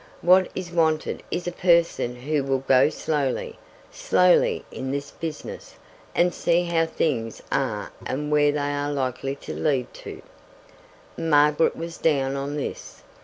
What is wanted is a person who will go slowly, slowly in this business, and see how things are and where they are likely to lead to." Margaret was down on this.